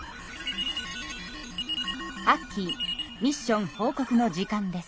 アッキーミッション報告の時間です。